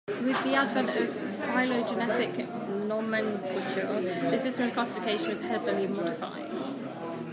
With the advent of phylogenetic nomenclature, this system of classification was heavily modified.